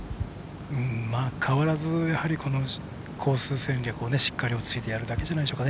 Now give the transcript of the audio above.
変わらず、コース戦略を落ち着いてやるだけじゃないでしょうか。